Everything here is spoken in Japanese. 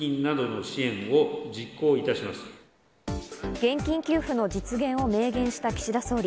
現金給付の実現を明言した岸田総理。